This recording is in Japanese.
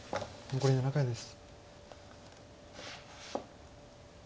残り７回です。